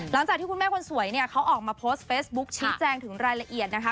หลังจากที่คุณแม่คนสวยเนี่ยเขาออกมาโพสต์เฟซบุ๊คชี้แจงถึงรายละเอียดนะคะ